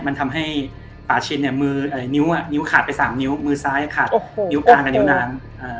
นิ้วมือซ้ายคาดนิ้วกลางกับนิ้วหน่าง